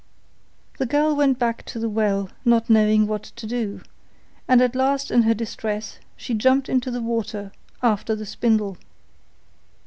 The girl went back to the well not knowing what to do, and at last in her distress she jumped into the water after the spindle.